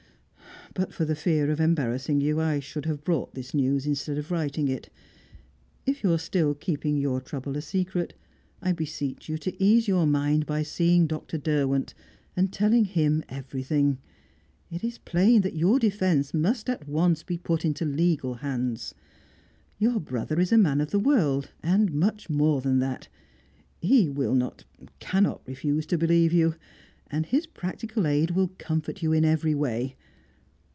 "But for the fear of embarrassing you, I should have brought this news, instead of writing it. If you are still keeping your trouble a secret, I beseech you to ease your mind by seeing Dr. Derwent, and telling him everything. It is plain that your defence must at once be put into legal hands. Your brother is a man of the world, and much more than that; he will not, cannot, refuse to believe you, and his practical aid will comfort you in every way.